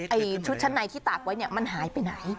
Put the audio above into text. ชุดชั้นในที่ตากไว้เนี่ยมันหายไปไหน